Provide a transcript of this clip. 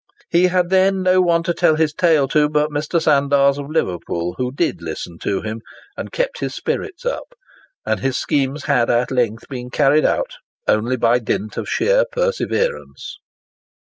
He had then no one to tell his tale to but Mr. Sandars, of Liverpool, who did listen to him, and kept his spirits up; and his schemes had at length been carried out only by dint of sheer perseverance."